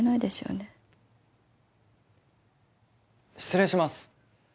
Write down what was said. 失礼します。